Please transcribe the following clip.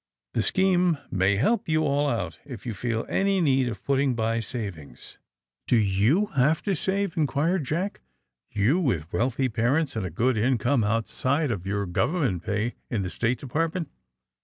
The scheme may help you all out if you feel any need of putting by savings." AKD THE SMUGGLEES 157 Do you liave to saveT' inquired Jack. '^You, with wealthy parents and a ^ood income ontside of yonr government pay in the State Depart ment!''